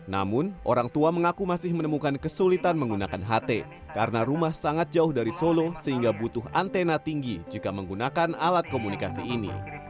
namun orang tua mengaku masih menemukan kesulitan menggunakan ht karena rumah sangat jauh dari solo sehingga butuh antena tinggi jika menggunakan alat komunikasi ini